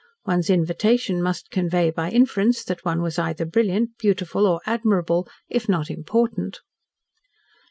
One's invitation must convey by inference that one was either brilliant, beautiful, or admirable, if not important.